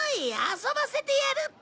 遊ばせてやるって。